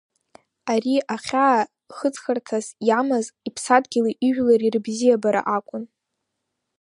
Ари ахьаа хыҵхырҭас иамаз иԥсадгьыли ижәлари рыбзиабара акәын.